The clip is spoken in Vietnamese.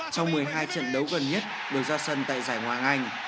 trong một mươi hai trận đấu gần nhất được ra sân tại giải ngoài hạng anh